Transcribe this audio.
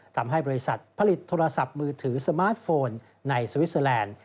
ทำให้บริษัทผลิตโทรศัพท์มือถือสมาร์ทโฟนในสวิสเตอร์แลนด์